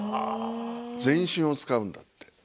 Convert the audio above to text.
全身を使うんだって。